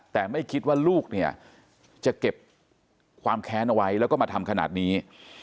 แต่ไม่คิดว่าลูกเนี่ยจะเก็บความแค้นเอาไว้แล้วก็มาทำขนาดนี้